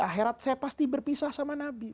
akhirat saya pasti berpisah sama nabi